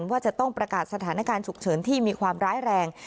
ว่าจะต้องประกาศสถานการณ์ฉุกเฉินที่มีความร้ายแรง